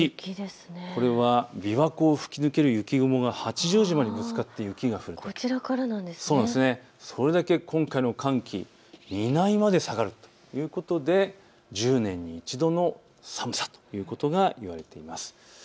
これは琵琶湖を吹き抜ける雪雲が八丈島にぶつかって雪が降る、それだけ今回の寒気、南まで下がるということで、１０年に１度の寒さということが言えると思います。